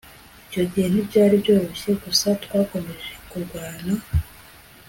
icyo gihe ntibyari byoroshye gusa twakomeje kurwana